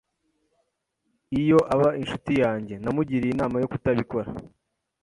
Iyo aba inshuti yanjye, namugiriye inama yo kutabikora.